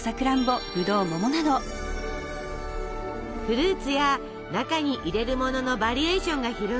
フルーツや中に入れるもののバリエーションが広がり